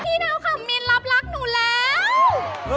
พี่ด๊าวค่ะกระหมินรับรักนูแล้ว